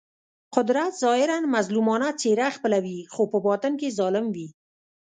قدرت ظاهراً مظلومانه څېره خپلوي خو په باطن کې ظالم وي.